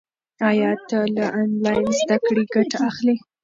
آیا ته له انلاین زده کړې ګټه اخلې؟